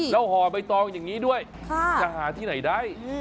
แล้วห่อใบตองอย่างนี้ด้วยจะหาที่ไหนได้